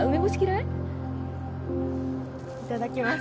いただきます。